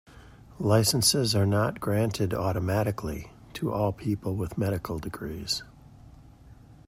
Licenses are not granted automatically to all people with medical degrees.